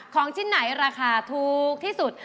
ของชิ้นไหนราคาถูกที่สุด